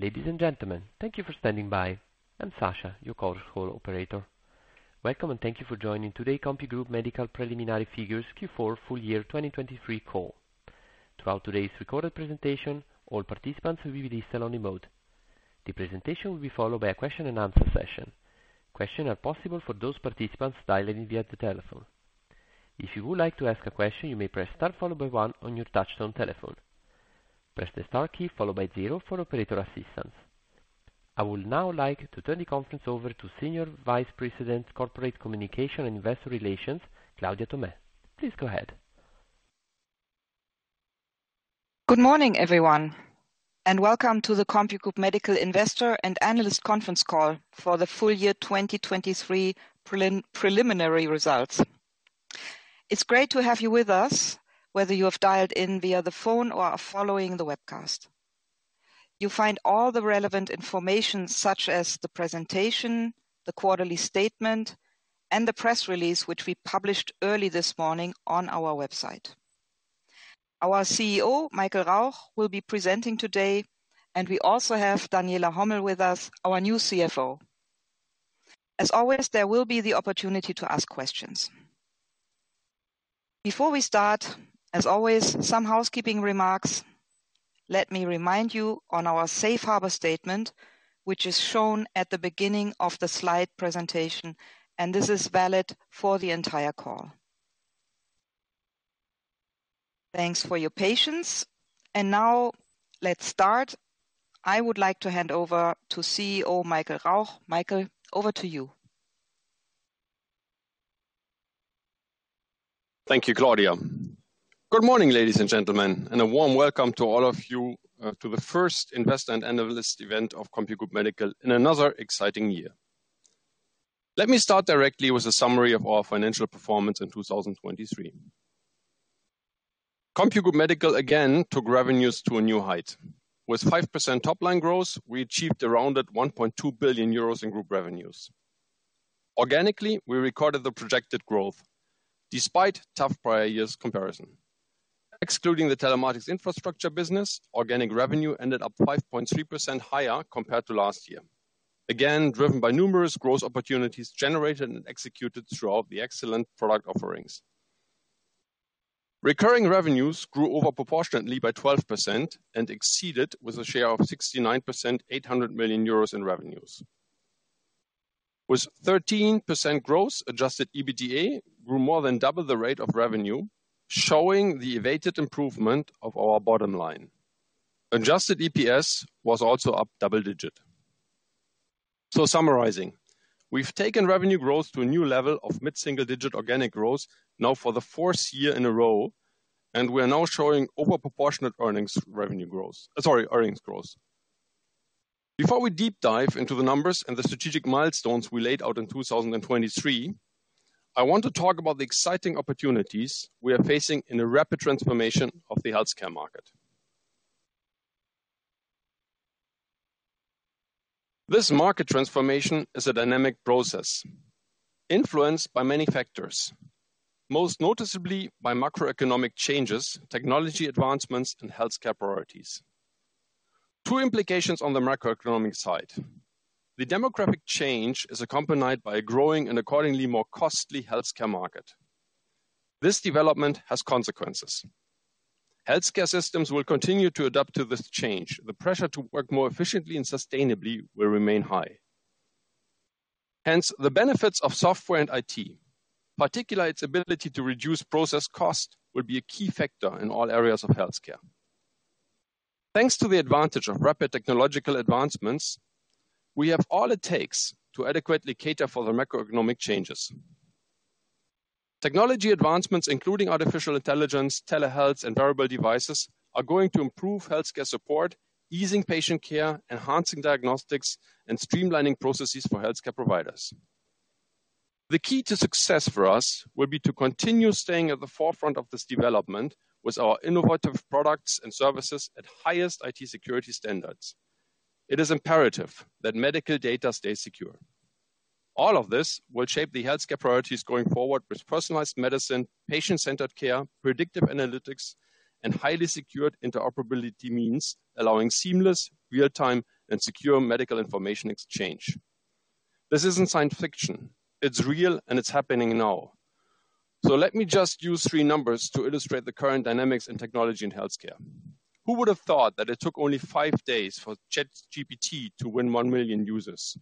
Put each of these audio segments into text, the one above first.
Ladies and gentlemen, thank you for standing by. I'm Sasha, your call operator. Welcome and thank you for joining today, CompuGroup Medical Preliminary Figures Q4 Full Year 2023 call. Throughout today's recorded presentation, all participants will be in listen-only mode. The presentation will be followed by a question and answer session. Questions are possible for those participants dialing in via the telephone. If you would like to ask a question, you may press star followed by one on your touchtone telephone. Press the star key followed by zero for operator assistance. I would now like to turn the conference over to Senior Vice President, Corporate Communication and Investor Relations, Claudia Thomé. Please go ahead. Good morning, everyone, and welcome to the CompuGroup Medical Investor and Analyst Conference Call for the full year 2023 preliminary results. It's great to have you with us, whether you have dialed in via the phone or are following the webcast. You'll find all the relevant information, such as the presentation, the quarterly statement, and the press release, which we published early this morning on our website. Our CEO, Michael Rauch, will be presenting today, and we also have Daniela Hommel with us, our new CFO. As always, there will be the opportunity to ask questions. Before we start, as always, some housekeeping remarks. Let me remind you on our safe harbor statement, which is shown at the beginning of the slide presentation, and this is valid for the entire call. Thanks for your patience. Now let's start. I would like to hand over to CEO, Michael Rauch. Michael, over to you. Thank you, Claudia. Good morning, ladies and gentlemen, and a warm welcome to all of you to the first Investor and Analyst event of CompuGroup Medical in another exciting year. Let me start directly with a summary of our financial performance in 2023. CompuGroup Medical again took revenues to a new height. With 5% top line growth, we achieved around 1.2 billion euros in group revenues. Organically, we recorded the projected growth despite tough prior years comparison. Excluding the telematics infrastructure business, organic revenue ended up 5.3% higher compared to last year. Again, driven by numerous growth opportunities generated and executed throughout the excellent product offerings. Recurring revenues grew over proportionately by 12% and exceeded with a share of 69%, 800 million euros in revenues. With 13% growth, adjusted EBITDA grew more than double the rate of revenue, showing the awaited improvement of our bottom line. Adjusted EPS was also up double-digit. So summarizing, we've taken revenue growth to a new level of mid-single-digit organic growth now for the fourth year in a row, and we are now showing over proportionate earnings, revenue growth - sorry, earnings growth. Before we deep dive into the numbers and the strategic milestones we laid out in 2023, I want to talk about the exciting opportunities we are facing in a rapid transformation of the healthcare market. This market transformation is a dynamic process influenced by many factors, most noticeably by macroeconomic changes, technology advancements, and healthcare priorities. Two implications on the macroeconomic side. The demographic change is accompanied by a growing and accordingly more costly healthcare market. This development has consequences. Healthcare systems will continue to adapt to this change. The pressure to work more efficiently and sustainably will remain high. Hence, the benefits of software and IT, particularly its ability to reduce process cost, will be a key factor in all areas of healthcare. Thanks to the advantage of rapid technological advancements, we have all it takes to adequately cater for the macroeconomic changes. Technology advancements, including artificial intelligence, telehealth, and wearable devices, are going to improve healthcare support, easing patient care, enhancing diagnostics, and streamlining processes for healthcare providers. The key to success for us will be to continue staying at the forefront of this development with our innovative products and services at highest IT security standards. It is imperative that medical data stays secure. All of this will shape the healthcare priorities going forward with personalized medicine, patient-centered care, predictive analytics, and highly secured interoperability means allowing seamless, real-time, and secure medical information exchange. This isn't science fiction, it's real, and it's happening now. So let me just use three numbers to illustrate the current dynamics in technology in healthcare. Who would have thought that it took only five days for ChatGPT to win 1 million users?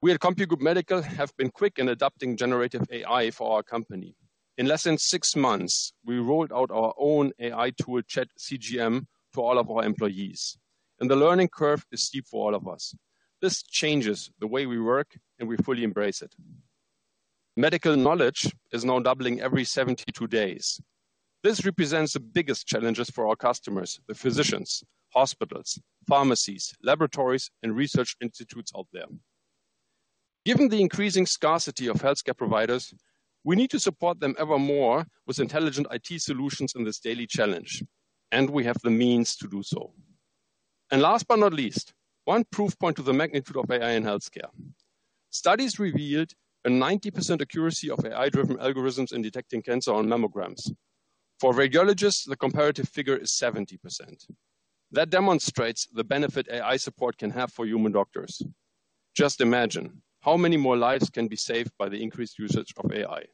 We at CompuGroup Medical have been quick in adopting generative AI for our company. In less than six months, we rolled out our own AI tool, ChatCGM, for all of our employees, and the learning curve is steep for all of us. This changes the way we work, and we fully embrace it. Medical knowledge is now doubling every 72 days. This represents the biggest challenges for our customers, the physicians, hospitals, pharmacies, laboratories, and institutes out there. Given the increasing scarcity of healthcare providers, we need to support them ever more with intelligent IT solutions in this daily challenge, and we have the means to do so. And last but not least, one proof point to the magnitude of AI in healthcare.... Studies revealed a 90% accuracy of AI-driven algorithms in detecting cancer on mammograms. For radiologists, the comparative figure is 70%. That demonstrates the benefit AI support can have for human doctors. Just imagine how many more lives can be saved by the increased usage of AI.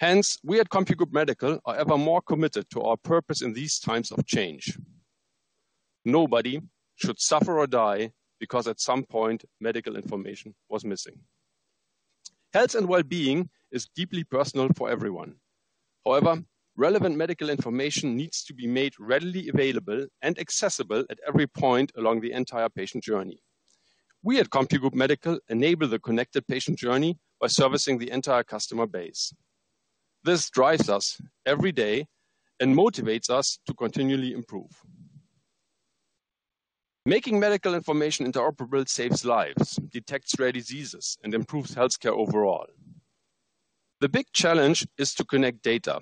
Hence, we at CompuGroup Medical are ever more committed to our purpose in these times of change. Nobody should suffer or die because at some point, medical information was missing. Health and well-being is deeply personal for everyone. However, relevant medical information needs to be made readily available and accessible at every point along the entire patient journey. We at CompuGroup Medical enable the connected patient journey by servicing the entire customer base. This drives us every day and motivates us to continually improve. Making medical information interoperable saves lives, detects rare diseases, and improves healthcare overall. The big challenge is to connect data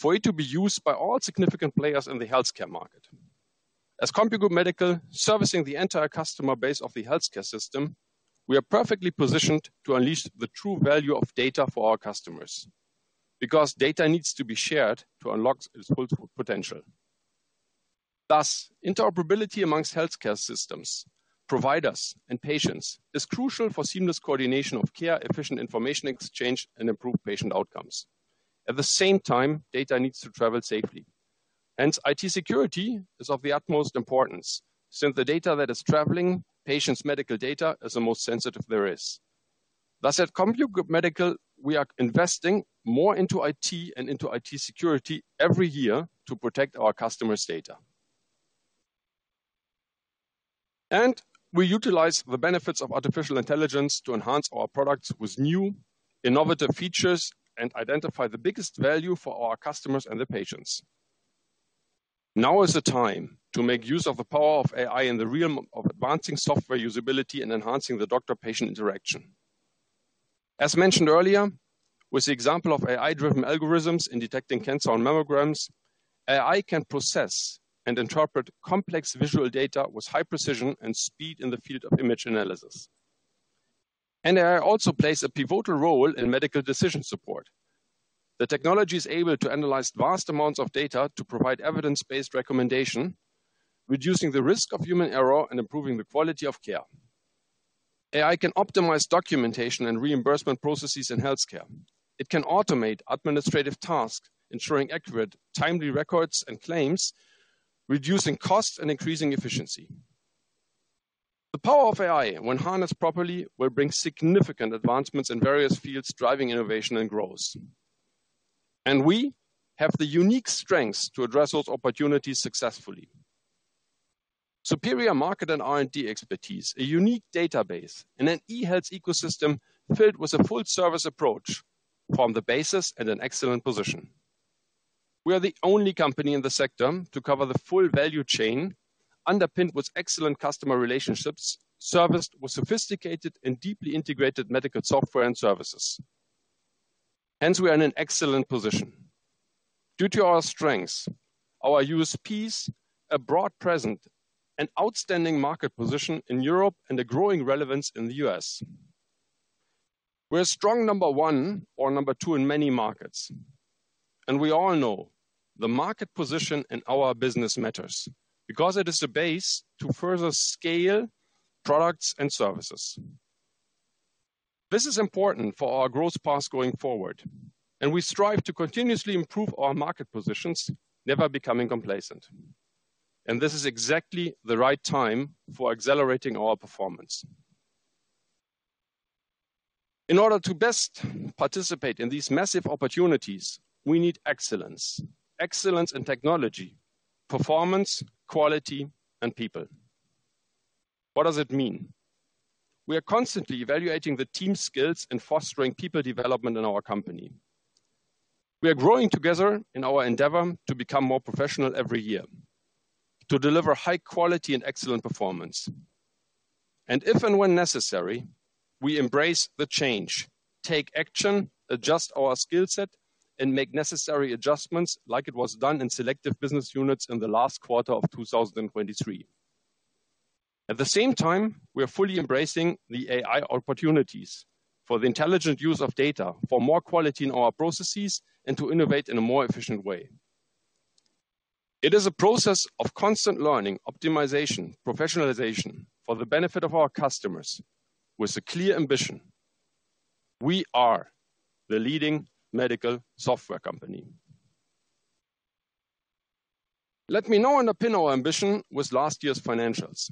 for it to be used by all significant players in the healthcare market. As CompuGroup Medical, servicing the entire customer base of the healthcare system, we are perfectly positioned to unleash the true value of data for our customers, because data needs to be shared to unlock its full potential. Thus, interoperability amongst healthcare systems, providers, and patients is crucial for seamless coordination of care, efficient information exchange, and improved patient outcomes. At the same time, data needs to travel safely, hence IT security is of the utmost importance, since the data that is traveling, patients' medical data, is the most sensitive there is. Thus, at CompuGroup Medical, we are investing more into IT and into IT security every year to protect our customers' data. And we utilize the benefits of artificial intelligence to enhance our products with new, innovative features and identify the biggest value for our customers and the patients. Now is the time to make use of the power of AI in the realm of advancing software usability and enhancing the doctor-patient interaction. As mentioned earlier, with the example of AI-driven algorithms in detecting cancer on mammograms, AI can process and interpret complex visual data with high precision and speed in the field of image analysis. And AI also plays a pivotal role in medical decision support. The technology is able to analyze vast amounts of data to provide evidence-based recommendation, reducing the risk of human error and improving the quality of care. AI can optimize documentation and reimbursement processes in healthcare. It can automate administrative tasks, ensuring accurate, timely records and claims, reducing costs, and increasing efficiency. The power of AI, when harnessed properly, will bring significant advancements in various fields, driving innovation and growth. We have the unique strengths to address those opportunities successfully. Superior market and R&D expertise, a unique database, and an e-health ecosystem filled with a full service approach form the basis and an excellent position. We are the only company in the sector to cover the full value chain, underpinned with excellent customer relationships, serviced with sophisticated and deeply integrated medical software and services. Hence, we are in an excellent position. Due to our strengths, our USPs are broadly present, an outstanding market position in Europe and a growing relevance in the US. We're strong number one or number two in many markets, and we all know the market position in our business matters because it is the base to further scale products and services. This is important for our growth path going forward, and we strive to continuously improve our market positions, never becoming complacent. This is exactly the right time for accelerating our performance. In order to best participate in these massive opportunities, we need excellence. Excellence in technology, performance, quality, and people. What does it mean? We are constantly evaluating the team skills and fostering people development in our company. We are growing together in our endeavor to become more professional every year, to deliver high quality and excellent performance. If and when necessary, we embrace the change, take action, adjust our skill set, and make necessary adjustments like it was done in selective business units in the last quarter of 2023. At the same time, we are fully embracing the AI opportunities for the intelligent use of data, for more quality in our processes, and to innovate in a more efficient way. It is a process of constant learning, optimization, professionalization for the benefit of our customers with a clear ambition: we are the leading medical software company. Let me now underpin our ambition with last year's financials.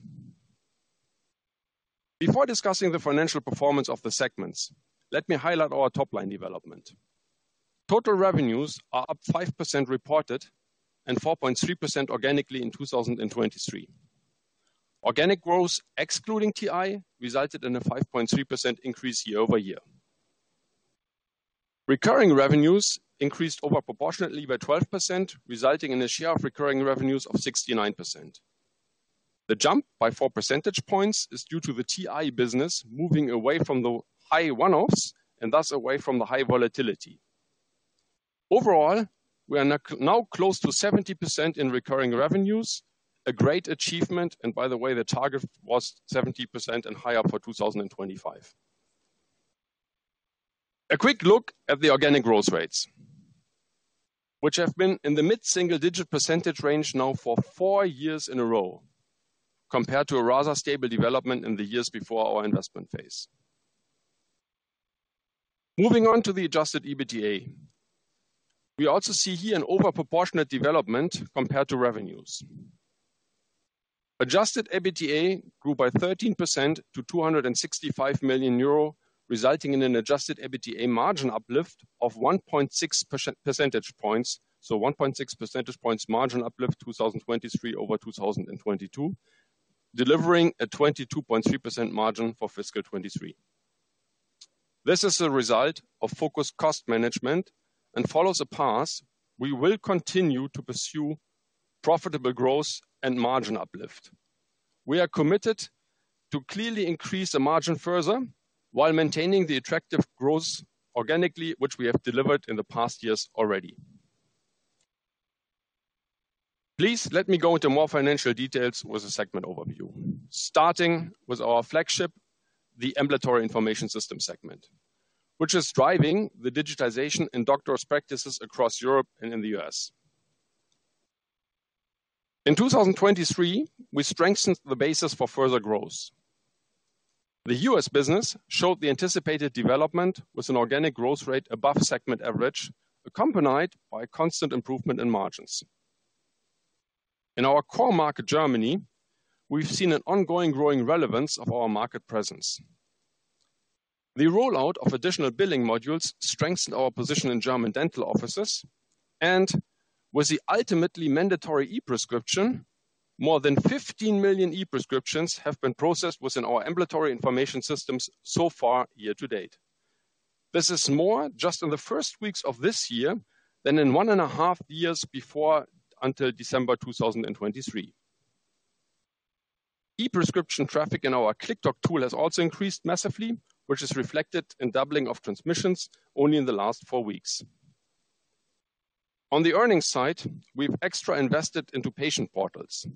Before discussing the financial performance of the segments, let me highlight our top-line development. Total revenues are up 5% reported and 4.3% organically in 2023. Organic growth, excluding TI, resulted in a 5.3% increase year-over-year. Recurring revenues increased over proportionately by 12%, resulting in a share of recurring revenues of 69%. The jump by four percentage points is due to the TI business moving away from the high one-offs and thus away from the high volatility. Overall, we are now close to 70% in recurring revenues, a great achievement, and by the way, the target was 70% and higher for 2025. A quick look at the organic growth rates, which have been in the mid-single-digit percentage range now for 4 years in a row, compared to a rather stable development in the years before our investment phase. Moving on to the adjusted EBITDA. We also see here an over proportionate development compared to revenues. Adjusted EBITDA grew by 13% to 265 million euro, resulting in an adjusted EBITDA margin uplift of 1.6 percentage points, so 1.6 percentage points margin uplift, 2023 over 2022, delivering a 22.3% margin for fiscal 2023. This is a result of focused cost management and follows a path we will continue to pursue profitable growth and margin uplift. We are committed to clearly increase the margin further while maintaining the attractive growth organically, which we have delivered in the past years already. Please let me go into more financial details with a segment overview. Starting with our flagship, the Ambulatory Information System segment, which is driving the digitization in doctor's practices across Europe and in the U.S. In 2023, we strengthened the basis for further growth. The U.S. business showed the anticipated development with an organic growth rate above segment average, accompanied by a constant improvement in margins. In our core market, Germany, we've seen an ongoing growing relevance of our market presence. The rollout of additional billing modules strengthened our position in German dental offices, and with the ultimately mandatory e-prescription, more than 15 million e-prescriptions have been processed within our ambulatory information systems so far year to date. This is more just in the first weeks of this year than in one and a half years before, until December 2023. E-prescription traffic in our ClickDoc tool has also increased massively, which is reflected in doubling of transmissions only in the last four weeks. On the earnings side, we've extra invested into patient portals.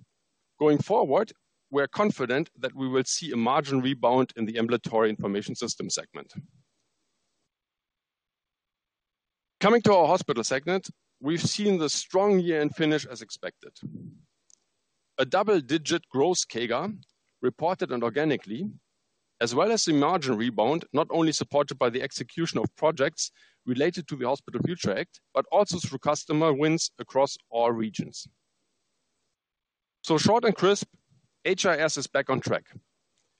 Going forward, we're confident that we will see a margin rebound in the Ambulatory Information System segment. Coming to our hospital segment, we've seen the strong year-end finish as expected. A double-digit gross CAGR, reported and organically, as well as the margin rebound, not only supported by the execution of projects related to the Hospital Future Act, but also through customer wins across all regions. So short and crisp, HIS is back on track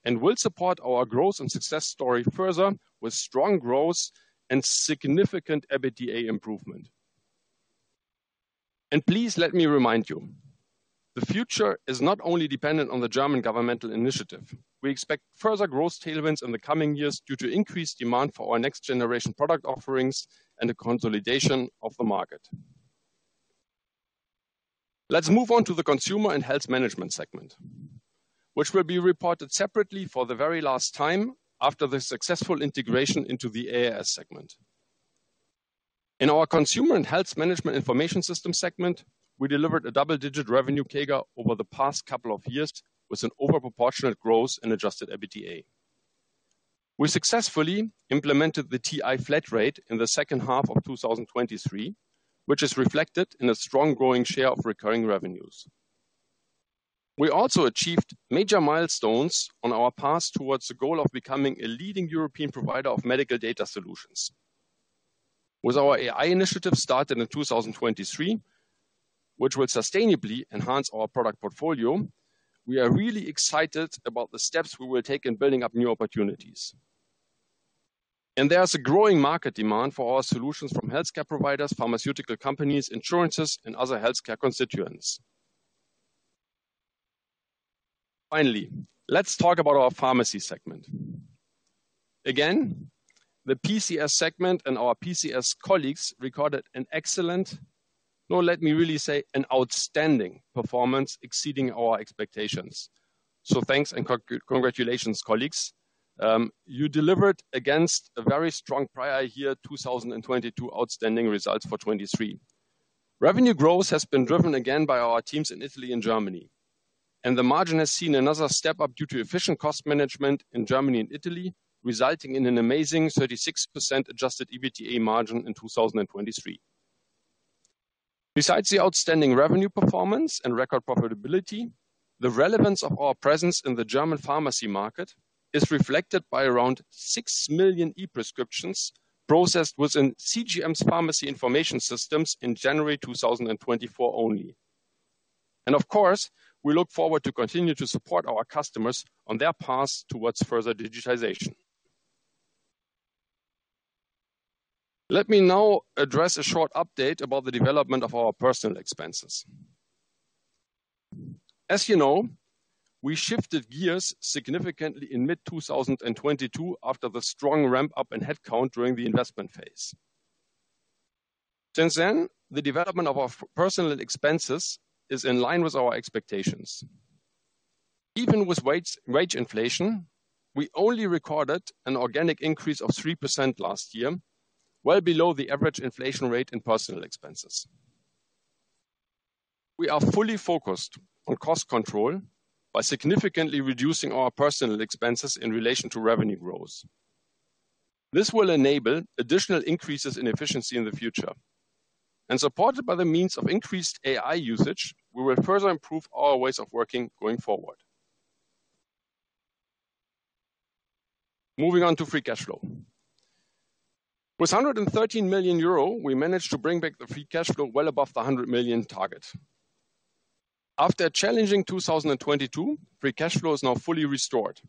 and will support our growth and success story further with strong growth and significant EBITDA improvement. And please let me remind you, the future is not only dependent on the German governmental initiative. We expect further growth tailwinds in the coming years due to increased demand for our next generation product offerings and the consolidation of the market. Let's move on to the consumer and health management segment, which will be reported separately for the very last time after the successful integration into the AIS segment. In our Consumer and Health Management Information System segment, we delivered a double-digit revenue CAGR over the past couple of years, with an over proportionate growth in adjusted EBITDA. We successfully implemented the TI flat rate in the second half of 2023, which is reflected in a strong growing share of recurring revenues. We also achieved major milestones on our path towards the goal of becoming a leading European provider of medical data solutions. With our AI initiative started in 2023, which will sustainably enhance our product portfolio, we are really excited about the steps we will take in building up new opportunities. And there is a growing market demand for our solutions from healthcare providers, pharmaceutical companies, insurances, and other healthcare constituents. Finally, let's talk about our pharmacy segment. Again, the PCS segment and our PCS colleagues recorded an excellent, no, let me really say, an outstanding performance exceeding our expectations. So thanks and congratulations, colleagues. You delivered against a very strong prior year, 2022, outstanding results for 2023. Revenue growth has been driven again by our teams in Italy and Germany, and the margin has seen another step up due to efficient cost management in Germany and Italy, resulting in an amazing 36% adjusted EBITDA margin in 2023. Besides the outstanding revenue performance and record profitability, the relevance of our presence in the German pharmacy market is reflected by around 6 million e-prescriptions processed within CGM's pharmacy information systems in January 2024 only. And of course, we look forward to continue to support our customers on their path towards further digitization. Let me now address a short update about the development of our personnel expenses As you know, we shifted gears significantly in mid-2022 after the strong ramp-up in headcount during the investment phase. Since then, the development of our personnel expenses is in line with our expectations.... Even with wage inflation, we only recorded an organic increase of 3% last year, well below the average inflation rate in personnel expenses We are fully focused on cost control by significantly reducing our personnel expenses in relation to revenue growth. This will enable additional increases in efficiency in the future. And supported by the means of increased AI usage, we will further improve our ways of working going forward. Moving on to free cash flow. With 113 million euro, we managed to bring back the free cash flow well above the 100 million target. After a challenging 2022, free cash flow is now fully restored.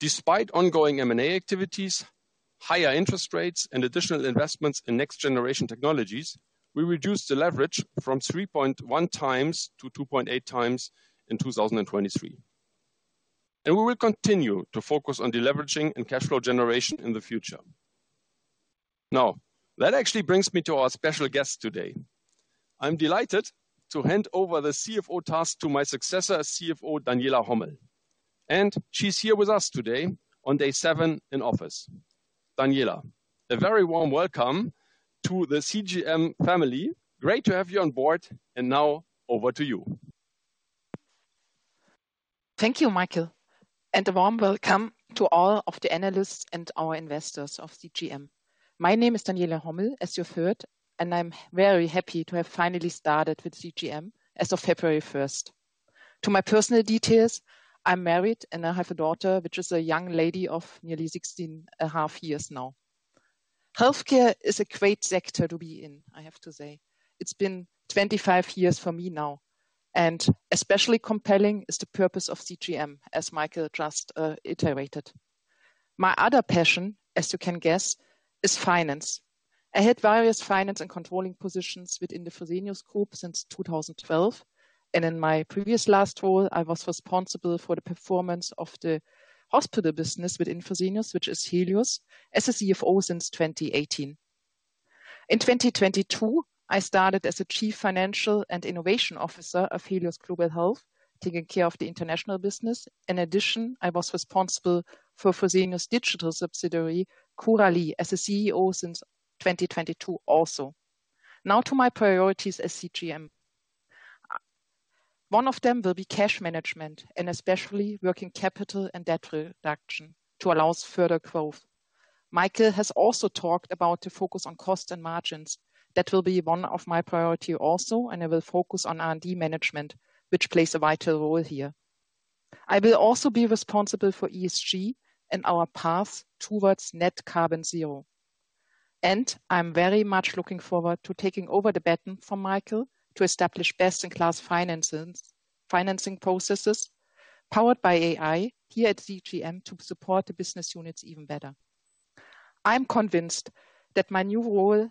Despite ongoing M&A activities, higher interest rates, and additional investments in next-generation technologies, we reduced the leverage from 3.1 times to 2.8 times in 2023. We will continue to focus on deleveraging and cash flow generation in the future. Now, that actually brings me to our special guest today. I'm delighted to hand over the CFO task to my successor as CFO, Daniela Hommel, and she's here with us today on day seven in office. Daniela, a very warm welcome to the CGM family. Great to have you on board, and now over to you. Thank you, Michael, and a warm welcome to all of the analysts and our investors of CGM. My name is Daniela Hommel, as you heard, and I'm very happy to have finally started with CGM as of February 1. To my personal details, I'm married, and I have a daughter, which is a young lady of nearly 16.5 years now. Healthcare is a great sector to be in, I have to say. It's been 25 years for me now, and especially compelling is the purpose of CGM, as Michael just iterated. My other passion, as you can guess, is finance. I had various finance and controlling positions within the Fresenius Group since 2012, and in my previous last role, I was responsible for the performance of the hospital business within Fresenius, which is Helios, as a CFO since 2018. In 2022, I started as Chief Financial and Innovation Officer of Helios Global Health, taking care of the international business. In addition, I was responsible for Fresenius digital subsidiary, Curalie, as CEO since 2022 also. Now to my priorities as CGM. One of them will be cash management and especially working capital and debt reduction to allow us further growth. Michael has also talked about the focus on cost and margins. That will be one of my priority also, and I will focus on R&D management, which plays a vital role here. I will also be responsible for ESG and our path towards net carbon zero. I'm very much looking forward to taking over the baton from Michael to establish best-in-class finances, financing processes powered by AI here at CGM to support the business units even better. I'm convinced that my new role...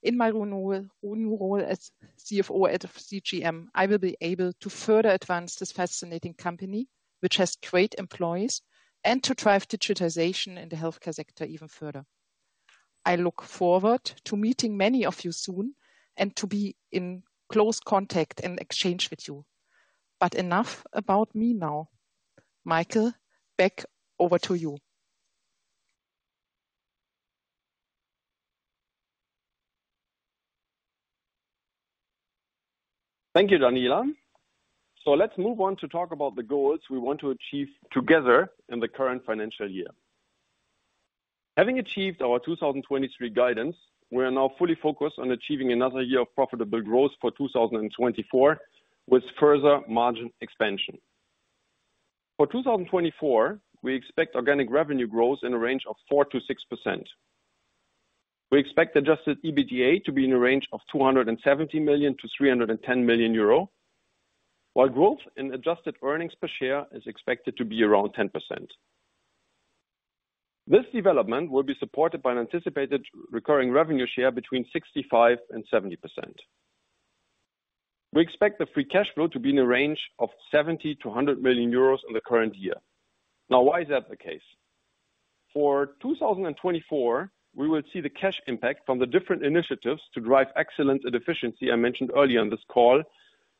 In my new role, new role as CFO at CGM, I will be able to further advance this fascinating company, which has great employees, and to drive digitization in the healthcare sector even further. I look forward to meeting many of you soon and to be in close contact and exchange with you. But enough about me now. Michael, back over to you. Thank you, Daniela. So let's move on to talk about the goals we want to achieve together in the current financial year. Having achieved our 2023 guidance, we are now fully focused on achieving another year of profitable growth for 2024, with further margin expansion. For 2024, we expect organic revenue growth in a range of 4%-6%. We expect adjusted EBITDA to be in a range of 270 million-310 million euro, while growth in adjusted earnings per share is expected to be around 10%. This development will be supported by an anticipated recurring revenue share between 65% and 70%. We expect the free cash flow to be in a range of 70 million-100 million euros in the current year. Now, why is that the case? For 2024, we will see the cash impact from the different initiatives to drive excellence and efficiency I mentioned earlier on this call,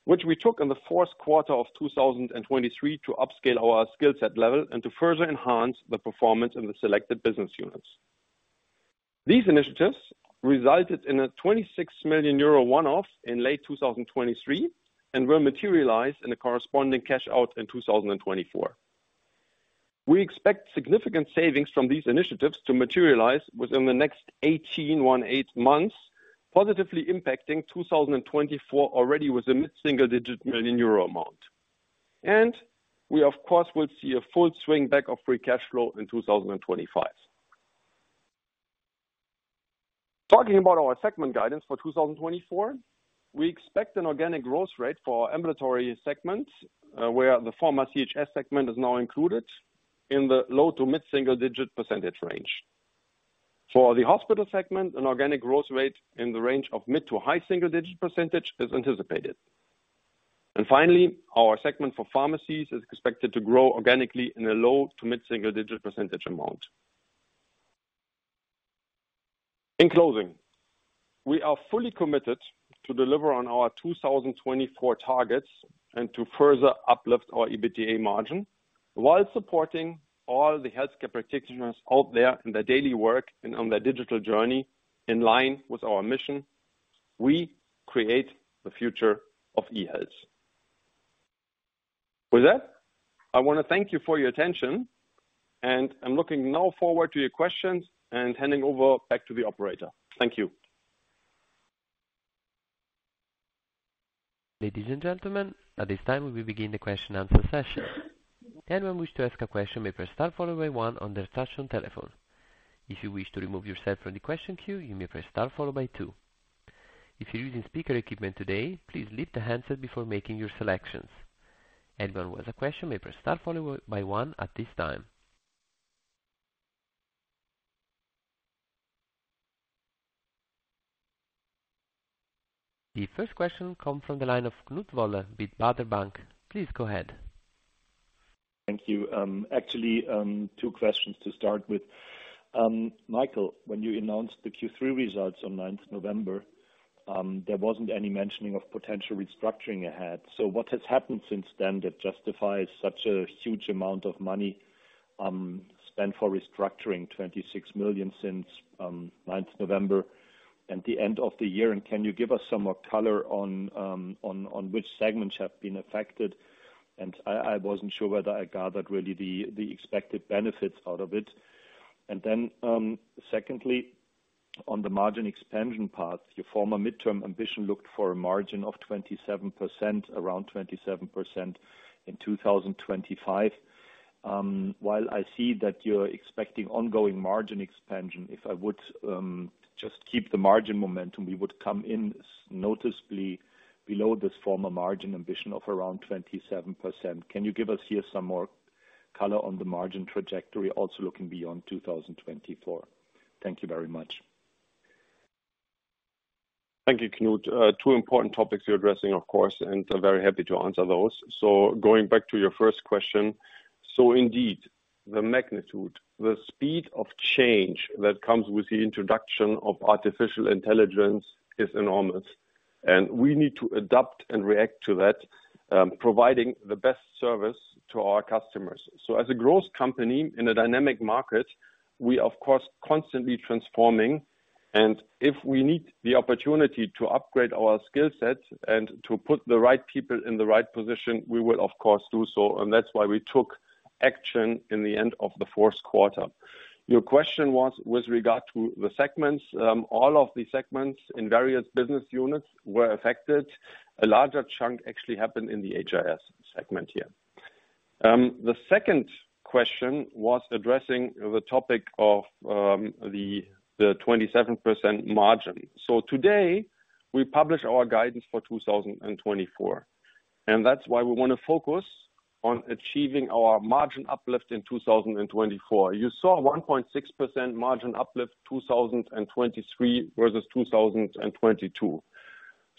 which we took in the fourth quarter of 2023 to upscale our skill set level and to further enhance the performance in the selected business units. These initiatives resulted in a 26 million euro one-off in late 2023 and will materialize in a corresponding cash out in 2024. We expect significant savings from these initiatives to materialize within the next 18 months, positively impacting 2024 already with a mid-single-digit million EUR amount. We, of course, will see a full swing back of free cash flow in 2025. Talking about our segment guidance for 2024, we expect an organic growth rate for our ambulatory segment, where the former CHS segment is now included in the low- to mid-single-digit % range. For the hospital segment, an organic growth rate in the range of mid- to high single-digit % is anticipated. And finally, our segment for pharmacies is expected to grow organically in a low- to mid-single-digit % amount. In closing, we are fully committed to deliver on our 2024 targets and to further uplift our EBITDA margin, while supporting all the healthcare practitioners out there in their daily work and on their digital journey. In line with our mission, we create the future of e-health. With that, I want to thank you for your attention, and I'm looking now forward to your questions and handing over back to the operator. Thank you. Ladies and gentlemen, at this time, we will begin the question and answer session. Anyone who wish to ask a question may press star followed by one on their touchtone telephone. If you wish to remove yourself from the question queue, you may press star followed by two. If you're using speaker equipment today, please leave the handset before making your selections. Anyone who has a question may press star followed by one at this time. The first question comes from the line of Knut Woller with Baader Bank. Please go ahead. Thank you. Actually, two questions to start with. Michael, when you announced the Q3 results on ninth November, there wasn't any mentioning of potential restructuring ahead. So what has happened since then that justifies such a huge amount of money spent for restructuring 26 million since ninth November and the end of the year? And can you give us some more color on which segments have been affected? And I wasn't sure whether I gathered really the expected benefits out of it. And then, secondly, on the margin expansion path, your former midterm ambition looked for a margin of 27%, around 27% in 2025. While I see that you're expecting ongoing margin expansion, if I would just keep the margin momentum, we would come in noticeably below this former margin ambition of around 27%. Can you give us here some more color on the margin trajectory, also looking beyond 2024? Thank you very much. Thank you, Knut. Two important topics you're addressing, of course, and I'm very happy to answer those. So going back to your first question: so indeed, the magnitude, the speed of change that comes with the introduction of artificial intelligence is enormous, and we need to adapt and react to that, providing the best service to our customers. So as a growth company in a dynamic market, we are, of course, constantly transforming, and if we need the opportunity to upgrade our skill sets and to put the right people in the right position, we will of course do so, and that's why we took action in the end of the fourth quarter. Your question was with regard to the segments. All of the segments in various business units were affected. A larger chunk actually happened in the HIS segment here. The second question was addressing the topic of the 27% margin. So today, we publish our guidance for 2024, and that's why we want to focus on achieving our margin uplift in 2024. You saw 1.6% margin uplift, 2023 versus 2022.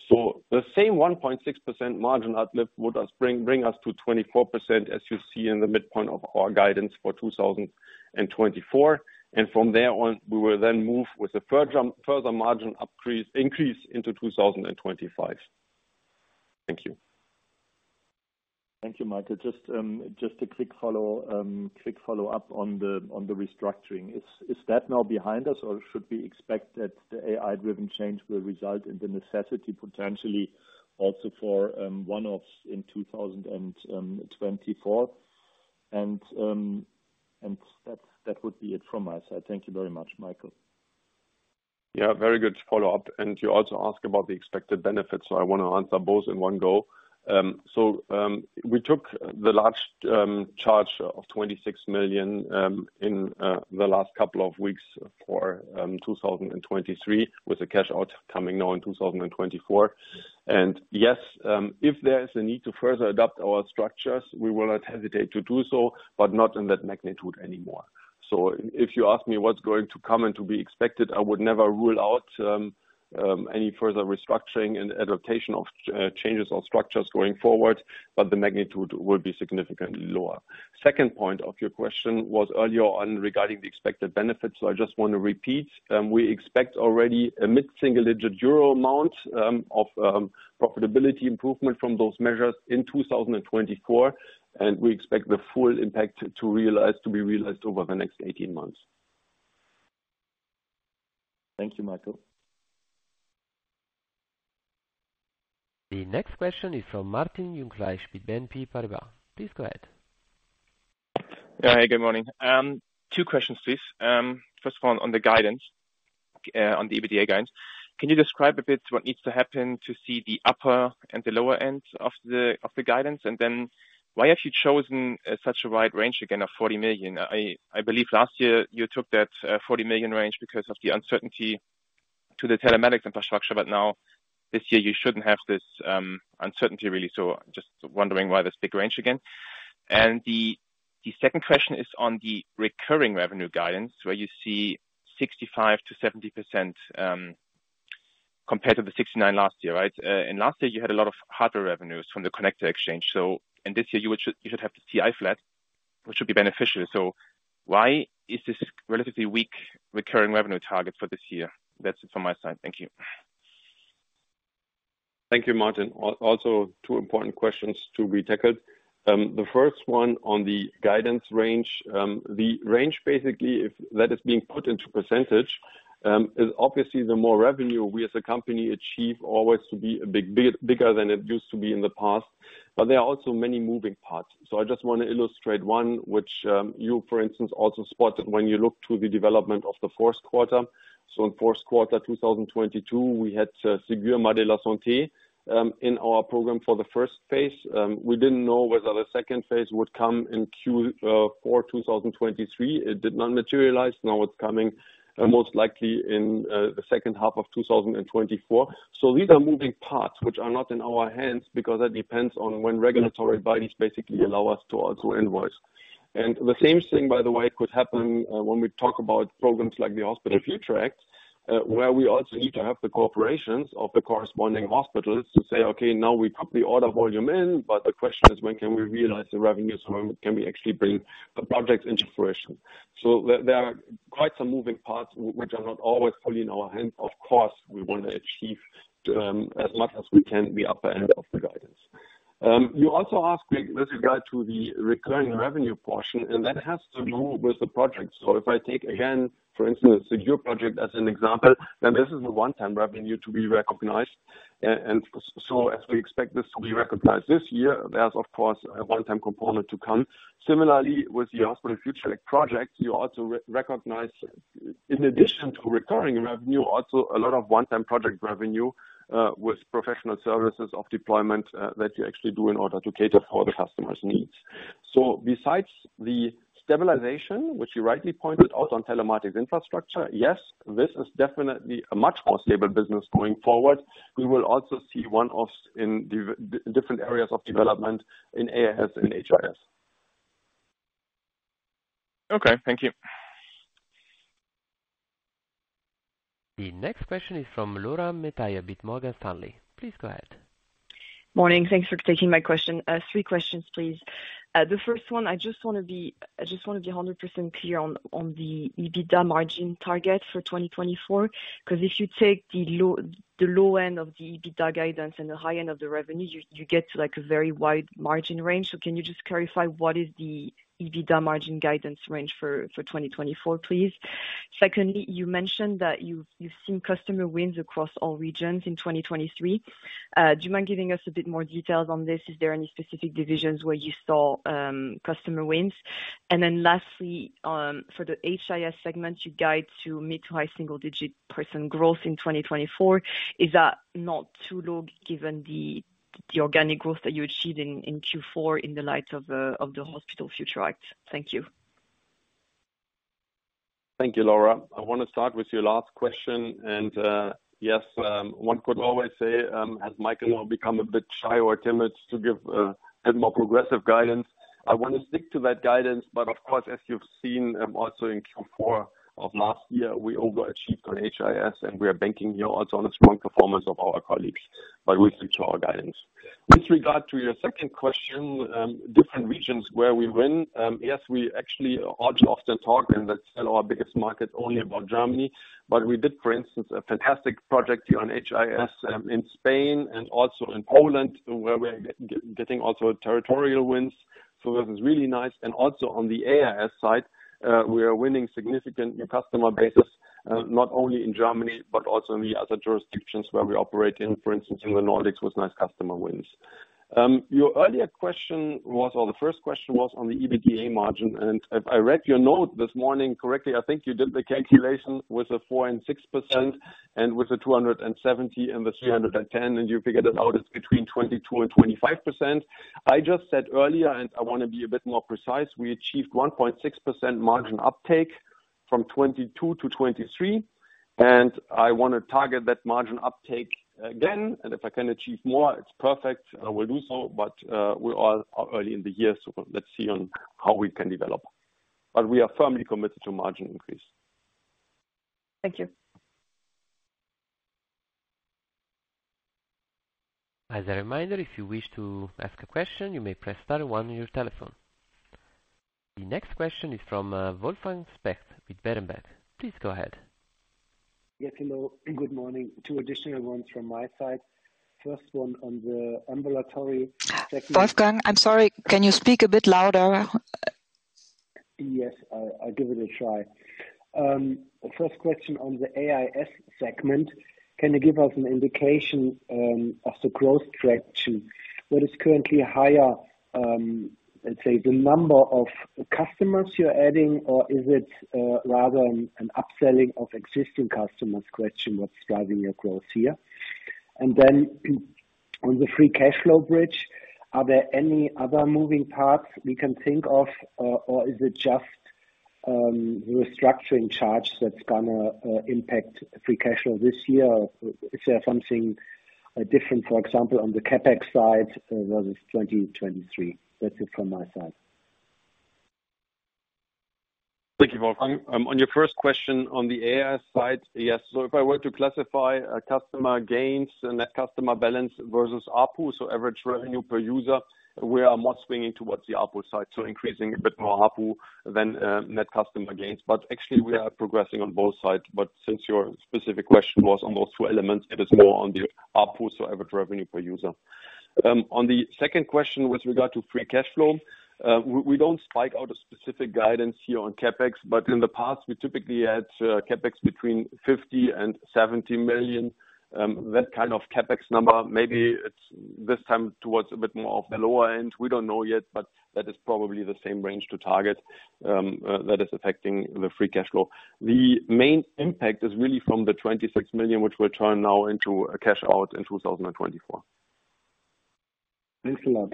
So the same 1.6% margin uplift would bring us to 24%, as you see in the midpoint of our guidance for 2024. And from there on, we will then move with the further margin increase into 2025. Thank you. Thank you, Michael. Just a quick follow-up on the restructuring. Is that now behind us, or should we expect that the AI-driven change will result in the necessity, potentially, also for one-offs in 2024? And that would be it from my side. Thank you very much, Michael. Yeah, very good follow-up, and you also asked about the expected benefits, so I want to answer both in one go. So, we took the large charge of 26 million in the last couple of weeks for 2023, with a cash out coming now in 2024. And yes, if there is a need to further adapt our structures, we will not hesitate to do so, but not in that magnitude anymore. So if you ask me what's going to come and to be expected, I would never rule out any further restructuring and adaptation of changes or structures going forward, but the magnitude will be significantly lower. Second point of your question was earlier on regarding the expected benefits. I just want to repeat, we expect already a mid-single-digit EUR amount of profitability improvement from those measures in 2024, and we expect the full impact to be realized over the next 18 months. Thank you, Michael. The next question is from Martin Jungfleisch with BNP Paribas. Please go ahead. Hey, good morning. Two questions, please. First of all, on the guidance, on the EBITDA guidance. Can you describe a bit what needs to happen to see the upper and the lower ends of the guidance? And then why have you chosen such a wide range again of 40 million? I believe last year you took that 40 million range because of the uncertainty to the telematics infrastructure, but now, this year, you shouldn't have this uncertainty really. So just wondering why this big range again. And the second question is on the recurring revenue guidance, where you see 65%-70% compared to the 69% last year, right? And last year you had a lot of hardware revenues from the connector exchange. So, and this year you should have the TI flat, which should be beneficial. So why is this relatively weak recurring revenue target for this year? That's it from my side. Thank you. Thank you, Martin. Also, two important questions to be tackled. The first one on the guidance range. The range, basically, if that is being put into percentage, is obviously the more revenue we as a company achieve always to be a bigger than it used to be in the past. But there are also many moving parts. So I just want to illustrate one which, you, for instance, also spotted when you look to the development of the fourth quarter. So in fourth quarter, 2022, we had Ségur de la Santé in our program for the first phase. We didn't know whether the second phase would come in Q4 2023. It did not materialize. Now it's coming, most likely in the second half of 2024. These are moving parts which are not in our hands, because that depends on when regulatory bodies basically allow us to also invoice. And the same thing, by the way, could happen when we talk about programs like the Hospital Future Act, where we also need to have the cooperation of the corresponding hospitals to say, "Okay, now we put the order volume in," but the question is, when can we realize the revenues? When can we actually bring the projects into fruition? So there, there are quite some moving parts which are not always fully in our hands. Of course, we want to achieve as much as we can, the upper end of the guidance. You also asked with regard to the recurring revenue portion, and that has to do with the project. If I take, again, for instance, the Ségur project as an example, then this is a one-time revenue to be recognized. And so as we expect this to be recognized this year, there's of course a one-time component to come. Similarly, with the Hospital Future Act project, you also re-recognize, in addition to recurring revenue, also a lot of one-time project revenue with professional services of deployment that you actually do in order to cater for the customer's needs. So besides the stabilization, which you rightly pointed out on telematics infrastructure, yes, this is definitely a much more stable business going forward. We will also see one of in different areas of development in AIS and HIS. Okay, thank you. The next question is from Laura Metayer with Morgan Stanley. Please go ahead. Morning. Thanks for taking my question. Three questions, please. The first one, I just want to be 100% clear on, on the EBITDA margin target for 2024, because if you take the low end of the EBITDA guidance and the high end of the revenue, you get to, like, a very wide margin range. So can you just clarify what is the EBITDA margin guidance range for 2024, please? Secondly, you mentioned that you've seen customer wins across all regions in 2023. Do you mind giving us a bit more details on this? Is there any specific divisions where you saw customer wins? And then lastly, for the HIS segment, you guide to mid- to high single-digit% growth in 2024. Is that not too low, given the organic growth that you achieved in Q4 in the light of the Hospital Future Act? Thank you. Thank you, Laura. I want to start with your last question, and, yes, one could always say, has Michael now become a bit shy or timid to give a more progressive guidance? I want to stick to that guidance, but of course, as you've seen, also in Q4 of last year, we overachieved on HIS, and we are banking here also on a strong performance of our colleagues by sticking to our guidance. With regard to your second question, different regions where we win. Yes, we actually often talk, and that's in our biggest market, only about Germany, but we did, for instance, a fantastic project here on HIS in Spain and also in Poland, where we are getting also territorial wins. So that is really nice. And also on the AIS side, we are winning significant new customer business, not only in Germany, but also in the other jurisdictions where we operate in, for instance, in the Nordics, with nice customer wins. Your earlier question was, or the first question was on the EBITDA margin, and if I read your note this morning correctly, I think you did the calculation with a 4 and 6% and with the 270 and the 310, and you figured it out, it's between 22% and 25%. I just said earlier, and I want to be a bit more precise, we achieved 1.6% margin uptake from 2022 to 2023, and I want to target that margin uptake again. And if I can achieve more, it's perfect, and I will do so. We are early in the year, so let's see on how we can develop. We are firmly committed to margin increase. Thank you. As a reminder, if you wish to ask a question, you may press star one on your telephone. The next question is from Wolfgang Specht with Berenberg. Please go ahead. Yes, hello, and good morning. Two additional ones from my side. First one on the ambulatory segment- Wolfgang, I'm sorry. Can you speak a bit louder? Yes, I'll give it a try. First question on the AIS segment: can you give us an indication of the growth trajectory? What is currently higher, let's say, the number of customers you're adding, or is it rather an upselling of existing customers? Question: what's driving your growth here? And then on the free cash flow bridge, are there any other moving parts we can think of, or is it just restructuring charges that's gonna impact free cash flow this year? Is there something different, for example, on the CapEx side versus 2023? That's it from my side. Thank you, Wolfgang. On your first question on the AI side, yes. So if I were to classify, customer gains and net customer balance versus ARPU, so average revenue per user, we are more swinging towards the ARPU side, so increasing a bit more ARPU than, net customer gains. But actually we are progressing on both sides. But since your specific question was on those two elements, it is more on the ARPU, so average revenue per user. On the second question with regard to free cash flow, we don't spike out a specific guidance here on CapEx, but in the past we typically had, CapEx between 50 million and 70 million. That kind of CapEx number, maybe it's this time towards a bit more of the lower end. We don't know yet, but that is probably the same range to target, that is affecting the free cash flow. The main impact is really from the 26 million, which will turn now into a cash out in 2024. Thanks a lot.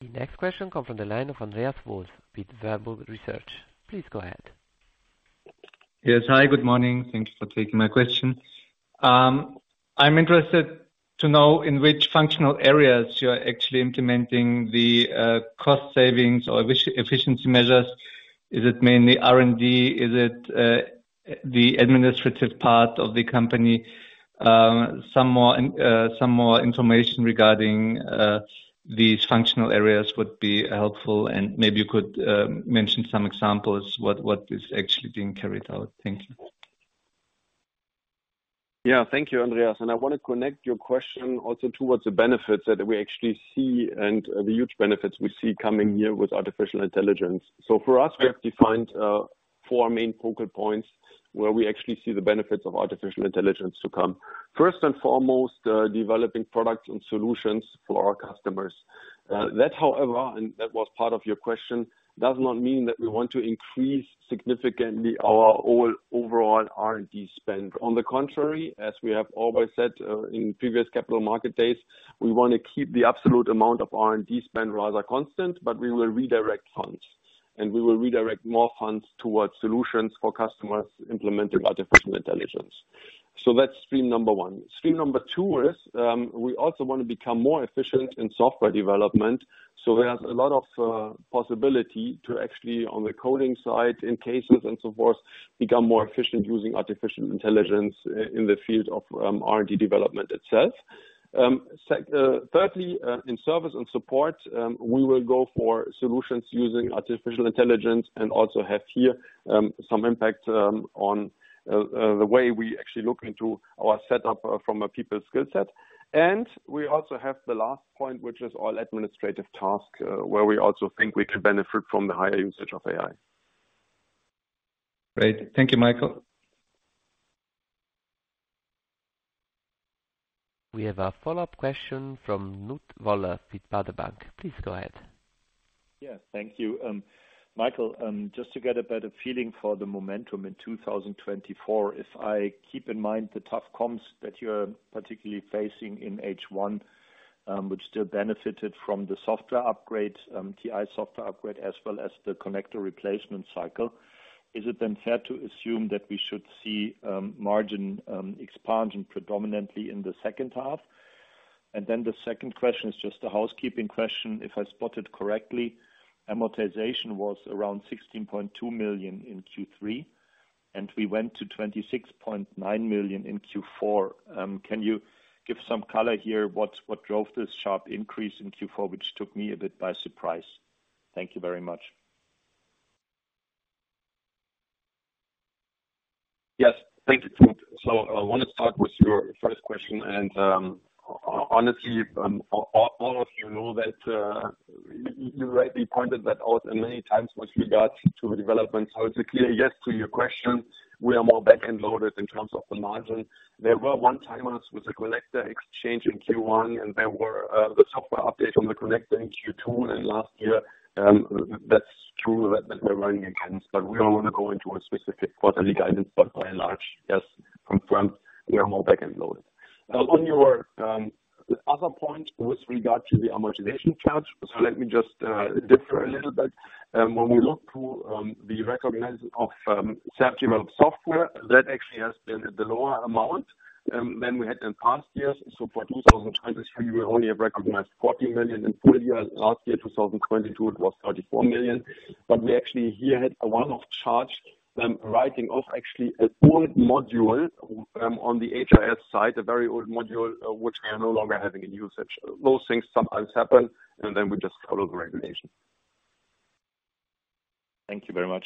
The next question comes from the line of Andreas Voss with Verbund Research. Please go ahead. Yes, hi, good morning. Thank you for taking my question. I'm interested to know in which functional areas you are actually implementing the cost savings or which efficiency measures. Is it mainly R&D? Is it the administrative part of the company? Some more information regarding these functional areas would be helpful, and maybe you could mention some examples, what is actually being carried out. Thank you. Yeah. Thank you, Andreas. And I want to connect your question also towards the benefits that we actually see and the huge benefits we see coming here with artificial intelligence. So for us, we have defined four main focal points where we actually see the benefits of artificial intelligence to come. First and foremost, developing products and solutions for our customers. That, however, and that was part of your question, does not mean that we want to increase significantly our over, overall R&D spend. On the contrary, as we have always said, in previous capital market days, we want to keep the absolute amount of R&D spend rather constant, but we will redirect funds, and we will redirect more funds towards solutions for customers implementing artificial intelligence. So that's stream number one. Stream number 2 is, we also want to become more efficient in software development, so we have a lot of possibility to actually, on the coding side, in cases and so forth, become more efficient using artificial intelligence in the field of R&D development itself. Thirdly, in service and support, we will go for solutions using artificial intelligence and also have here some impact on the way we actually look into our setup from a people skill set. And we also have the last point, which is all administrative tasks, where we also think we can benefit from the higher usage of AI. Great. Thank you, Michael. We have a follow-up question from Knut Woller with Baader Bank. Please go ahead. Yeah. Thank you. Michael, just to get a better feeling for the momentum in 2024, if I keep in mind the tough comps that you're particularly facing in H1, which still benefited from the software upgrade, TI software upgrade, as well as the connector replacement cycle, is it then fair to assume that we should see margin expansion predominantly in the second half? And then the second question is just a housekeeping question. If I spotted correctly, amortization was around 16.2 million in Q3, and we went to 26.9 million in Q4. Can you give some color here? What drove this sharp increase in Q4, which took me a bit by surprise? Thank you very much. Yes. Thank you, Knut. So I want to start with your first question, and, honestly, all of you know that, you rightly pointed that out many times with regards to development. So it's a clear yes to your question. We are more back-end loaded in terms of the margin. There were one-timers with the connector exchange in Q1, and there were, the software update on the connector in Q2 and last year. That's true that we're running against, but we don't want to go into a specific quarterly guidance, but by and large, yes, confirmed, we are more back-end loaded. On your, other point with regard to the amortization charge, so let me just, differ a little bit. When we look to the recognition of self-developed software, that actually has been the lower amount than we had in past years. So for 2023, we only have recognized 40 million in full year. Last year, 2022, it was 34 million. But we actually here had a one-off charge, writing off actually an old module on the HIS side, a very old module, which we are no longer having in usage. Those things sometimes happen, and then we just follow the regulation. Thank you very much.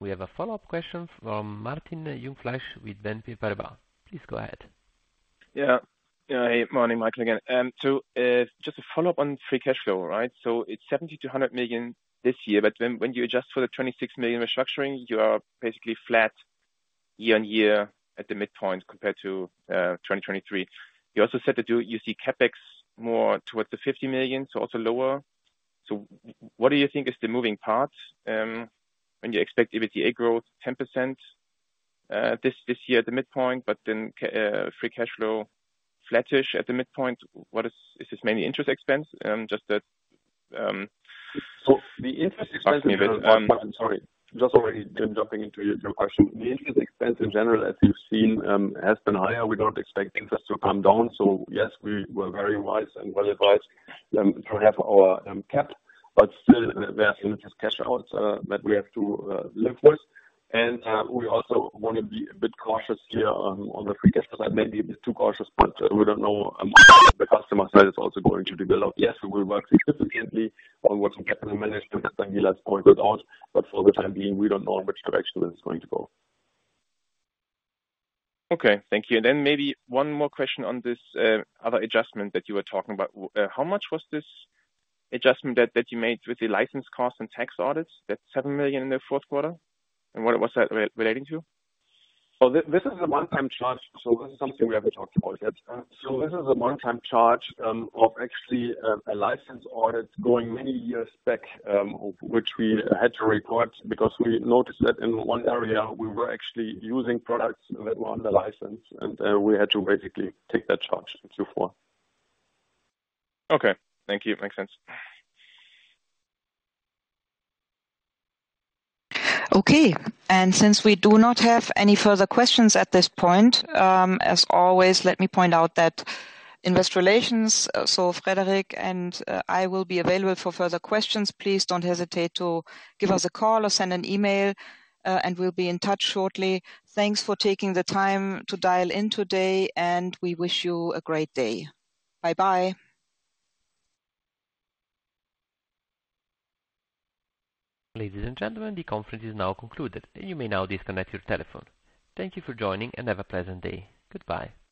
We have a follow-up question from Martin Jungfleisch with BNP Paribas. Please go ahead. Yeah. Yeah, morning, Michael, again. So, just a follow-up on free cash flow, right? So it's 70 million-100 million this year, but when you adjust for the 26 million restructuring, you are basically flat year on year at the midpoint compared to 2023. You also said that you see CapEx more towards the 50 million, so also lower. So what do you think is the moving part, when you expect EBITDA growth 10%, this year at the midpoint, but then, free cash flow flattish at the midpoint? What is this mainly interest expense? Just that. So the interest expense. Sorry. I'm sorry. Just already jumping into your question. The interest expense in general, as you've seen, has been higher. We don't expect interest to come down. So yes, we were very wise and well advised to have our capped, but still there are some interest cash outs that we have to live with. And we also want to be a bit cautious here on the free cash flow. Maybe a bit too cautious, but we don't know how the customer side is also going to develop. Yes, we will work significantly on what the capital management, as Daniela pointed out, but for the time being, we don't know in which direction it's going to go. Okay, thank you. And then maybe one more question on this other adjustment that you were talking about. How much was this adjustment that you made with the license costs and tax audits? That's 7 million in the fourth quarter, and what was that relating to? So this is a one-time charge, so this is something we haven't talked about yet. So this is a one-time charge, of actually, a license audit going many years back, which we had to report because we noticed that in one area we were actually using products that were under license, and we had to basically take that charge in Q4. Okay. Thank you. Makes sense. Okay, and since we do not have any further questions at this point, as always, let me point out that Investor Relations, so Frederik and I will be available for further questions. Please don't hesitate to give us a call or send an email, and we'll be in touch shortly. Thanks for taking the time to dial in today, and we wish you a great day. Bye-bye. Ladies and gentlemen, the conference is now concluded. You may now disconnect your telephone. Thank you for joining, and have a pleasant day. Goodbye.